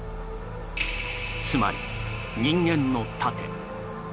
つまり、人間の盾。